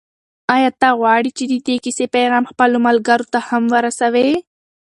آیا ته غواړې چې د دې کیسې پیغام خپلو ملګرو ته هم ورسوې؟